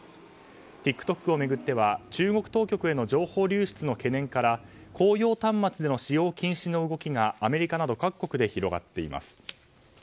ＴｉｋＴｏｋを巡っては中国当局への情報流出の懸念から公用端末での使用禁止の動きがアメリカなど各国で広がっています。